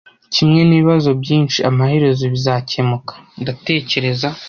Kimwe nibibazo byinshi, amaherezo bizakemuka, ndatekereza